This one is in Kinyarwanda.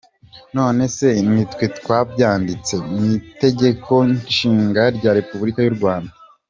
nonese nitwe twabyandiyse mw’itegeko nshinga rya Repuburika y’u Rwanda?